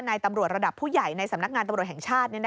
ในตำรวจระดับผู้ใหญ่ในสำนักงานตำรวจแห่งชาติ